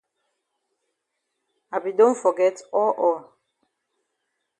I be don forget all all.